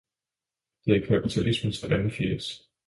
Dette er kapitalismens grimme fjæs.